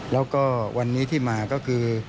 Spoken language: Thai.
แล้วก็วันนี้ที่มาก็คือ